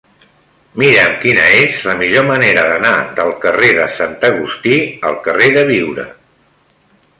Mira'm quina és la millor manera d'anar del carrer de Sant Agustí al carrer de Biure.